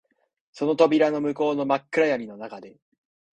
その扉の向こうの真っ暗闇の中で、